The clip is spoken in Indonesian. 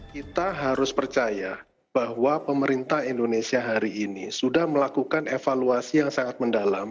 kita harus percaya bahwa pemerintah indonesia hari ini sudah melakukan evaluasi yang sangat mendalam